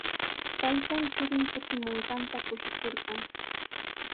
Taytan churin kutimunqanta kushikurqan.